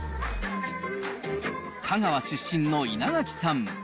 香川出身の稲垣さん。